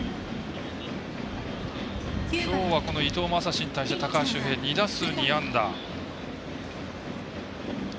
きょうは伊藤将司に対して高橋周平２打数２安打。